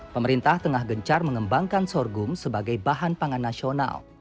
pemerintah tengah gencar mengembangkan sorghum sebagai bahan pangan nasional